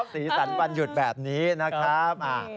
สีสันวันหยุดแบบนี้นะครับ